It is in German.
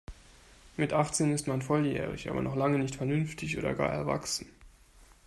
Mit achtzehn ist man volljährig aber noch lange nicht vernünftig oder gar erwachsen.